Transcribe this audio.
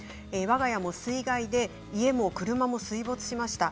わが家も水害で家も車も水没しました。